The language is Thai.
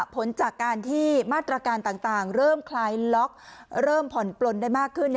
ผลจากการที่มาตรการต่างเริ่มคลายล็อกเริ่มผ่อนปลนได้มากขึ้น